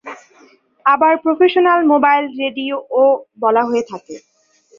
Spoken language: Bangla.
আবার প্রফেশনাল মোবাইল রেডিও বলা হয়ে থাকে।